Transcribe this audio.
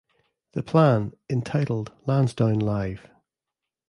The plan, entitled Lansdowne Live!